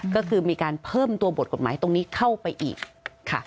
ก็คือมีการเพิ่มตัวบทกฎหมายตรงนี้เข้าไปอีกค่ะ